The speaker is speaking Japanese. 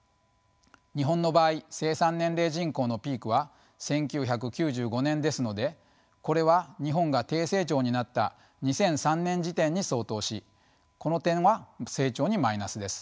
日本の場合生産年齢人口のピークは１９９５年ですのでこれは日本が低成長になった２００３年時点に相当しこの点は成長にマイナスです。